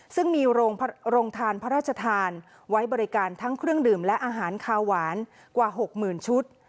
ซึ่งมีโรงทานพระราชทานไว้บริการทั้งเครื่องดื่มและอาหารคาวหวานกว่า๖๐๐๐ชุด